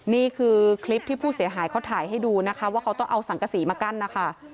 นี่คือคลิปที่ผู้เสียหายเขาถ่ายให้ดูนะคะว่าเขาต้องเอาสังกษีมากั้นนะคะ